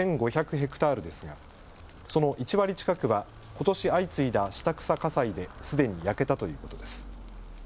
ヘクタールですがその１割近くはことし相次いだ下草火災ですでに焼けたということです。